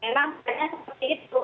memang banyak seperti itu